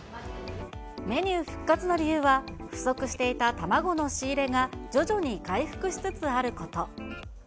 メニュー復活の理由は、不足していた卵の仕入れが徐々に回復しつつあること。